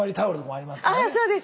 あそうです